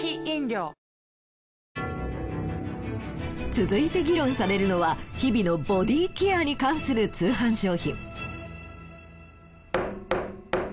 続いて議論されるのは日々のボディケアに関する通販商品。